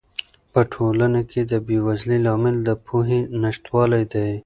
په ټولنه کې د بې وزلۍ لامل د پوهې نشتوالی دی.